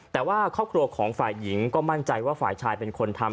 แต่ว่าครอบครัวของฝ่ายหญิงก็มั่นใจว่าฝ่ายชายเป็นคนทำ